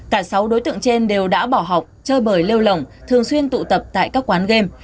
cả sáu đối tượng trên đều đã bỏ học chơi bởi lêu lỏng thường xuyên tụ tập tại các quán game